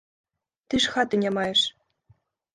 Ты ж хаты не маеш.